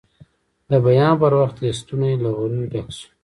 د بیان پر وخت یې ستونی له غریو ډک شو.